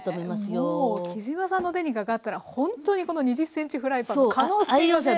もう杵島さんの手にかかったらほんとにこの２０ｃｍフライパンの可能性がね。